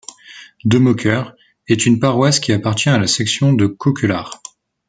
De Mokker est une paroisse qui appartient à la section de Koekelare.